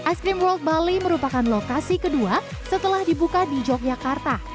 ice cream world bali merupakan lokasi kedua setelah dibuka di yogyakarta